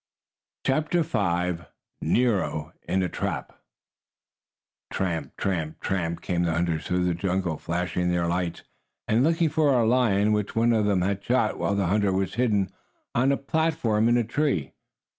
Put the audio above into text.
CHAPTER V NERO IN A TRAP Tramp, tramp, tramp came the hunters through the jungle, flashing their lights and looking for the lion which one of them had shot while the hunter was hidden on the platform in a tree.